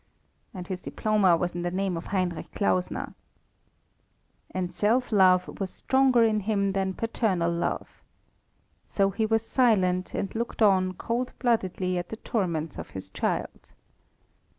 And his diploma was in the name of Heinrich Klausner. And self love was stronger in him than paternal love. So he was silent, and looked on cold bloodedly at the torments of his child.